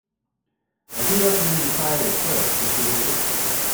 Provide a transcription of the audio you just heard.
I do recommend you try it first to see if it works for you.